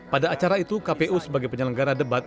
pada acara itu kpu sebagai penyelenggara debat